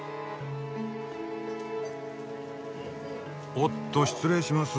おっと失礼します。